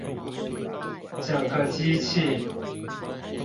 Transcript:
整個機器